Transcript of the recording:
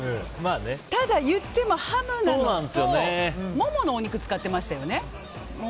ただ、言ってもハムはモモのお肉を使ってましたよね。